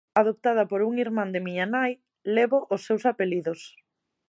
Adoptada por un irmán de miña nai, levo os seus apelidos.